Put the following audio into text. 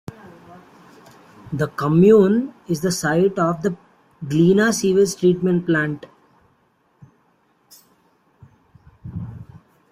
The commune is the site of the Glina sewage treatment plant.